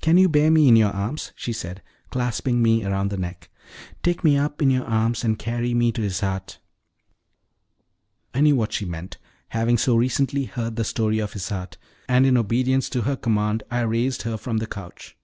Can you bear me in your arms?" she said, clasping me round the neck. "Take me up in your arms and carry me to Isarte." I knew what she meant, having so recently heard the story of Isarte, and in obedience to her command I raised her from the couch.